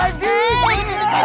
aduh mata pijek